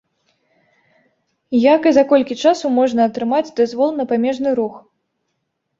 Як і за колькі часу можна атрымаць дазвол на памежны рух?